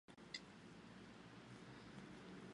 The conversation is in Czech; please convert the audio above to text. Maršál se ocitl na pokraji občanské války.